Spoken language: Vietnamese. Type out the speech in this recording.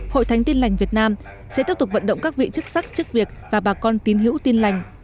hội thánh tin lành việt nam sẽ tiếp tục vận động các vị chức sắc chức việc và bà con tín hiểu tin lành